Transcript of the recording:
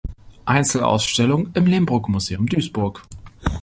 Einzelausstellung im Lehmbruck-Museum, Duisburg.